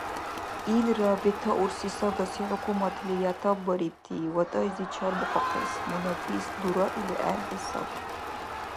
Илра бетаурси сагаси хӏукуматли ятапбарибти ватӏайзи чарбухъахъес мунапис дураили гӏергъи сабри.